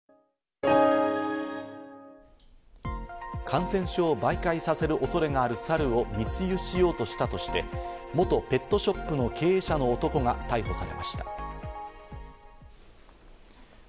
感染症を媒介させる恐れがあるサルを密輸しようとしたとして、元ペットショップの経営者の男が逮捕されました。